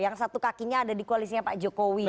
yang satu kakinya ada di koalisinya pak jokowi